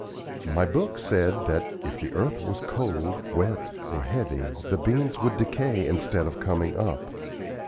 My book said that, if the earth was cold, wet, or heavy the beans would decay instead of coming up.